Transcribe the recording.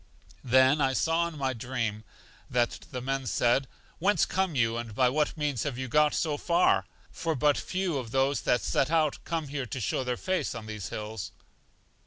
I then saw in my dream that the men said: Whence come you, and by what means have you got so far? For but few of those that set out come here to show their face on these hills.